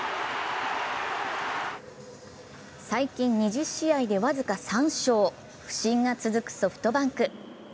最近２０試合で僅か３勝、不振が続くソフトバンク。